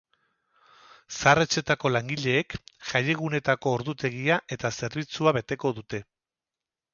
Zahar-etxeetako langileek jaiegunetako ordutegia eta zerbitzua beteko dute.